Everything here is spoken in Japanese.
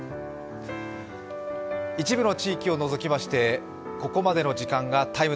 一部の地域を除きましてここまでの時間が「ＴＩＭＥ’」。